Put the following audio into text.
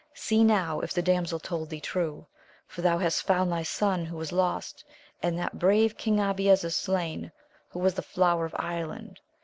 See now if the damsel told thee true ! for thou hast found thy son who was lost ; and that brave King Abies is slain, who was the flower of Ireland.